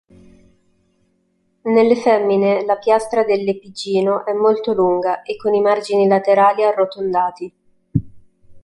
Nelle femmine la piastra dell'epigino è molto lunga e con i margini laterali arrotondati.